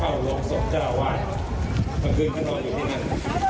เข้าโรคศพจรวรรดิคลอนคืนเขานอนอยู่ที่นั่น